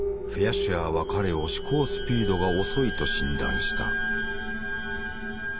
シュアーは彼を思考スピードが遅いと診断した。